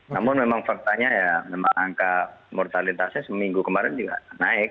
namun memang faktanya ya angka mortalitasnya seminggu kemarin naik